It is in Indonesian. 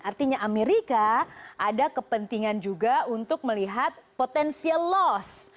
artinya amerika ada kepentingan juga untuk melihat potensial loss